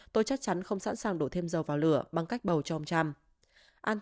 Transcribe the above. tôi chắc chắn không sẵn sàng đổ thêm dầu vào lửa bằng cách bầu cho ông trump